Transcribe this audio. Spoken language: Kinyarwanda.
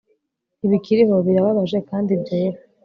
Ntibikiriho birababaje kandi byera